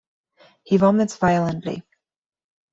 He vomits violently.